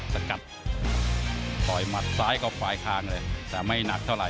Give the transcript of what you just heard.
สกัดต่อมัดซ้ายก็ฟ้าข้างเลยแต่ไม่หนักเท่าไร